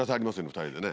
２人でね。